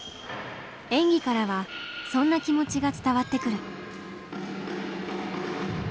演技からはそんな気持ちが伝わってくる。